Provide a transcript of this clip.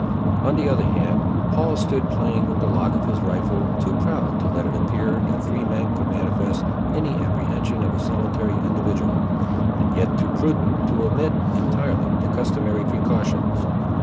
On the other hand, Paul stood playing with the lock of his rifle, too proud to let it appear that three men could manifest any apprehension of a solitary individual, and yet too prudent to omit, entirely, the customary precautions.